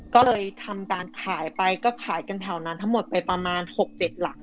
ก็เลยทำการขายไปก็ขายกันแถวนั้นทั้งหมดไปประมาณ๖๗หลัง